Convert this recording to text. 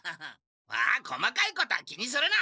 まあ細かいことは気にするな！